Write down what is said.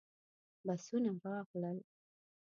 بسونه راغلل.